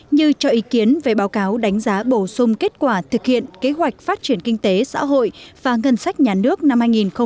như cho ý kiến về báo cáo đánh giá bổ sung kết quả thực hiện kế hoạch phát triển kinh tế xã hội và ngân sách nhà nước năm hai nghìn một mươi tám